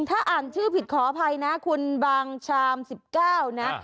ถ้าอ่านชื่อผิดขออภัยนะคุณบางชาม๑๙นะ